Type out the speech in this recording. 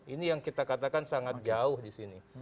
ini yang kita katakan sangat jauh di sini